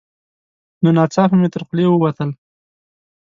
نو ناڅاپه مې تر خولې ووتل: